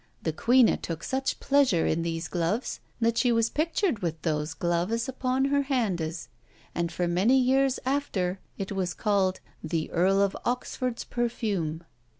The queene took such pleasure in those gloves, that she was pictured with those gloves upon her handes, and for many years after it was called 'The Earl of Oxford's perfume.'"